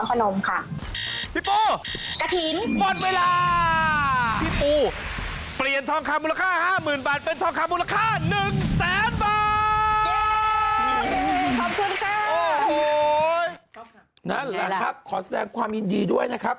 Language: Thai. นั่นแหละครับขอแสดงความยินดีด้วยนะครับ